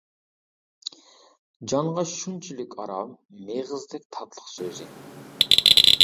جانغا شۇنچىلىك ئارام، مېغىزدەك تاتلىق سۆزى.